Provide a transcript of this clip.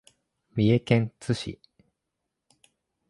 三重県津市